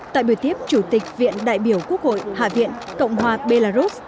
tại buổi tiếp chủ tịch viện đại biểu quốc hội hạ viện cộng hòa belarus